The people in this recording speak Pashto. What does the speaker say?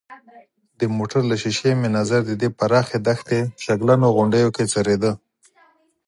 د موټر له ښېښې مې نظر د دې پراخې دښتې شګلنو غونډیو کې څرېده.